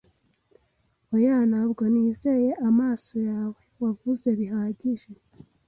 "Oya, ntabwo nizeye amaso yawe. Wavuze bihagije.